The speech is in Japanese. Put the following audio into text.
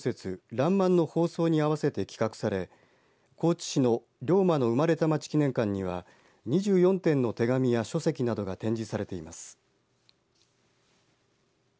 らんまんの放送に合わせて企画され高知市の龍馬の生まれたまち記念館には２４点の手紙や書籍などが展示されています。